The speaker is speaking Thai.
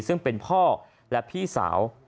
ซึ่งเป็นพ่อและพี่สาว